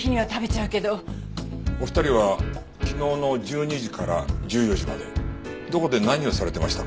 お二人は昨日の１２時から１４時までどこで何をされてましたか？